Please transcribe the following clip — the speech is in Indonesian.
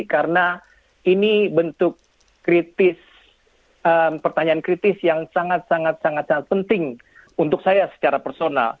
karena ini bentuk pertanyaan kritis yang sangat sangat penting untuk saya secara personal